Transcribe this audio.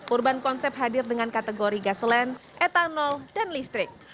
urban concept hadir dengan kategori gaselen etanol dan listrik